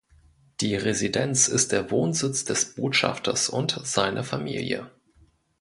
Die Residenz ist der Wohnsitz des Botschafters und seiner Familie.